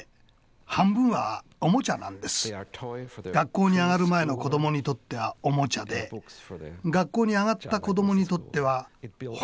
学校に上がる前の子どもにとってはおもちゃで学校に上がった子どもにとっては本になるようにしているんです。